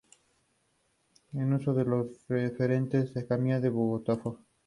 Se transmite en vivo desde los estudios de "Ciudad Imagen" ubicado en la Av.